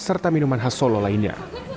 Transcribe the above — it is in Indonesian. serta minuman khas solo lainnya